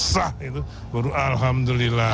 sah itu baru alhamdulillah